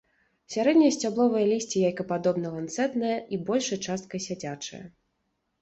Сярэдняе сцябловае лісце яйкападобна-ланцэтнае і большай часткай сядзячае.